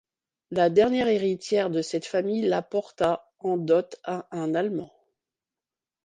La dernière héritière de cette famille l'apporta en dot à un Allemand.